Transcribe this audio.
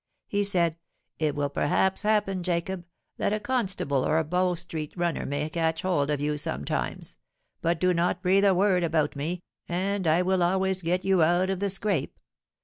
He said, 'It will perhaps happen, Jacob, that a constable or a Bow Street runner may catch hold of you sometimes; but do not breathe a word about me, and I will always get you out of the scrape.